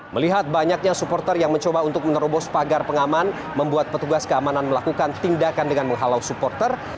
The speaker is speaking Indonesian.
melihat banyaknya supporter yang mencoba untuk menerobos pagar pengaman membuat petugas keamanan melakukan tindakan dengan menghalau supporter